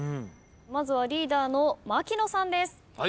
まずはリーダーの槙野さんです。